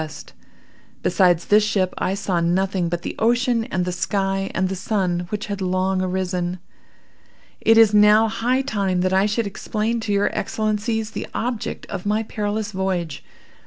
W. Besides this ship, I saw nothing but the ocean and the sky, and the sun, which had long arisen. "It is now high time that I should explain to your Excellencies the object of my perilous voyage.